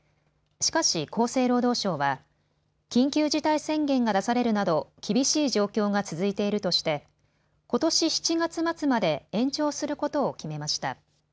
しかし厚生労働省は緊急事態宣言が出されるなど厳しい状況が続いているとしてことし７月末まで延長することを決めました。